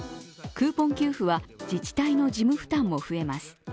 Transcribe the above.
クーポン給付は自治体の事務負担も増えます。